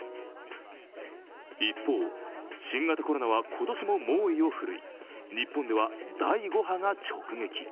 一方、新型コロナは今年も猛威を振るい、日本では第５波が直撃。